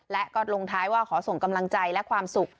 และก็ลงท้ายว่าขอส่งกำลังใจและความสุข